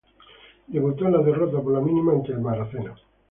Debutó en la derrota por la mínima ante el Norwich City.